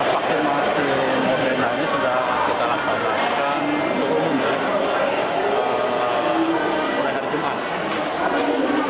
vaksinasi moderna ini sudah kita laksanakan untuk umum ya mulai hari jumat